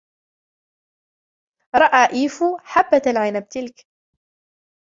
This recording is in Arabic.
رأى إيفو حبة العنب تلك.